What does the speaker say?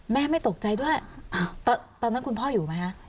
ไม่ตกใจด้วยตอนนั้นคุณพ่ออยู่ไหมคะ